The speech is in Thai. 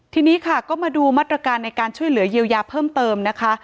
ทีนี้ค่ะก็มาดูมาตรการในการช่วยเหลือเยียวยาเพิ่มเติมนะคะ